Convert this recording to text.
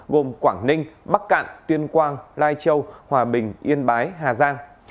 gồm quảng ninh bắc cạn tuyên quang lai châu hòa bình yên bái hà giang